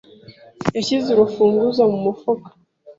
yashyize urufunguzo mu mufuka.